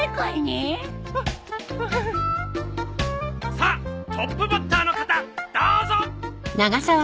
さあトップバッターの方どうぞ！